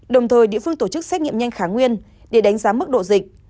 đồng thời địa phương tổ chức xét nghiệm nhanh kháng nguyên để đánh giá mức độ dịch